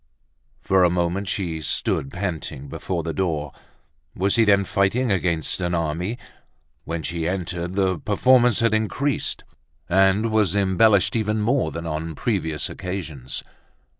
For a moment she stood panting before the door. Was he then fighting against an army? When she entered, the performance had increased and was embellished even more than on previous occasions.